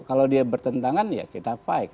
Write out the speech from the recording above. kalau dia bertentangan ya kita fight